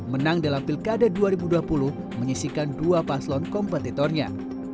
menang dalam pilkada dua ribu dua puluh menyisikan dua paslon kompetitornya